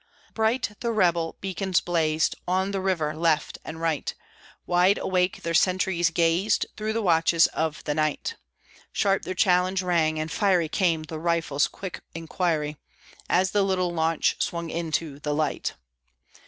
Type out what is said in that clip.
Bright the rebel beacons blazed On the river left and right; Wide awake their sentries gazed Through the watches of the night; Sharp their challenge rang, and fiery came the rifle's quick inquiry, As the little launch swung into the light.